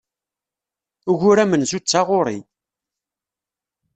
Ugur amenzu d taɣuri.